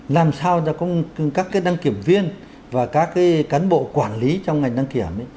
làm sao cho các đăng kiểm viên và các cán bộ quản lý trong ngành đăng kiểm